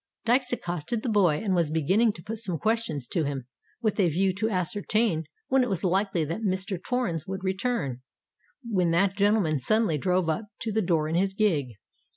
Dykes accosted the boy, and, was beginning to put some questions to him with a view to ascertain when it was likely that Mr. Torrens would return, when that gentleman suddenly drove up to the door in his gig.